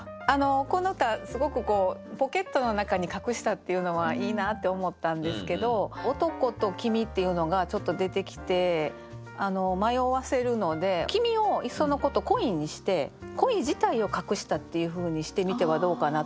この歌すごく「ポケットの中に隠した」っていうのはいいなって思ったんですけど「男」と「君」っていうのがちょっと出てきて迷わせるので「君」をいっそのこと「恋」にして恋自体を隠したっていうふうにしてみてはどうかなと。